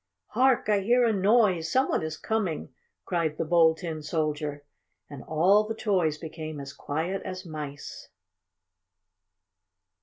"Hark! I hear a noise! Some one is coming!" cried the Bold Tin Soldier, and all the toys became as quiet as mice.